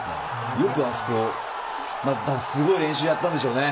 よくあそこ、またすごい練習をやったんでしょうね。